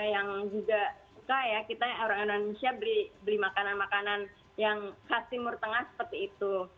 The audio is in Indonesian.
yang juga suka ya kita orang indonesia beli makanan makanan yang khas timur tengah seperti itu